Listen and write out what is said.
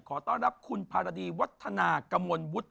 ขอต้อนรับคุณภรรดีวัฒนากำลังพุทธ